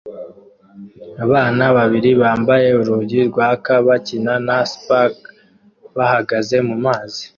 Abana babiri bambaye urunigi rwaka bakina na sparkler bahagaze mumazi